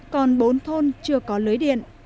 còn bốn thôn chưa có lưới điện